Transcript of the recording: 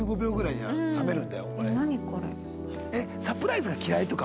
えっサプライズが嫌いとか？